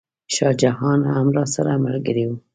شاه جان هم راسره ملګری و.